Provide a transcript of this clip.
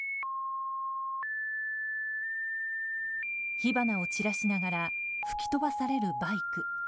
火花を散らしながら吹き飛ばされるバイク。